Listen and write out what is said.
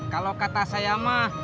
kalau kata saya mah